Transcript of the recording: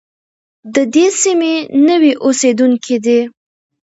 د دې سیمې نوي اوسېدونکي دي.